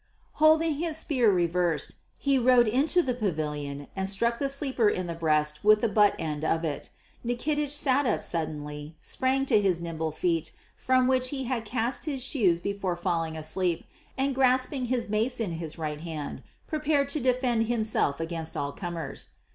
Holding his spear reversed, he rode into the pavilion and struck the sleeper on the breast with the butt end of it. Nikitich sat up suddenly, sprang to his nimble feet, from which he had cast his shoes before falling asleep, and grasping his mace in his right hand prepared to defend himself against all comers.